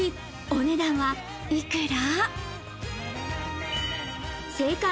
お値段はいくら？